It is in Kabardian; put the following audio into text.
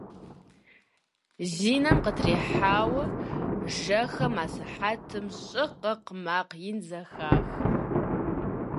Зи нэм къытрихьауэ жэхэм асыхьэтым «щӀы-къыкъ!..» макъ ин зэхах.